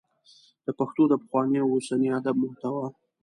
د پښتو د پخواني او اوسني ادب محتوا